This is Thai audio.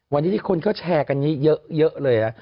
วันนี้ที่คนก็แชร์กันอย่างนี้เยอะเลย